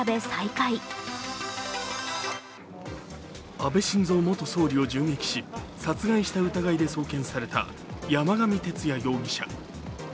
安倍晋三元総理を銃撃し、殺害した疑いで送検された山上徹也容疑者。